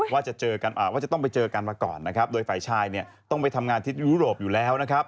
ว่าจะต้องไปเจอกันมาก่อนนะครับโดยฝ่ายชายเนี่ยต้องไปทำงานที่ยุโรปอยู่แล้วนะครับ